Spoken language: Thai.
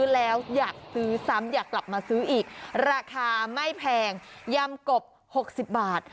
แล้วอยากซื้อซ้ำอยากกลับมาซื้ออีกราคาไม่แพงยำกบ๖๐บาท